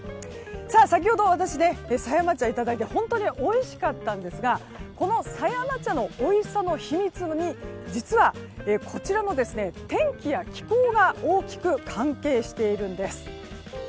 先ほど私は狭山茶をいただいて本当においしかったんですがこの狭山茶のおいしさの秘密に実は、こちらの天気や気候が大きく関係しているんです。